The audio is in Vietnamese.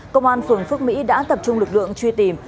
công an phường phước mỹ đã tập trung lực lượng truy tìm